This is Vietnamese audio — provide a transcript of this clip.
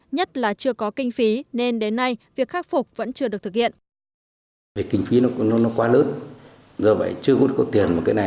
nhất là chưa có kinh phí nên đến nay việc khắc phục vẫn chưa được thực hiện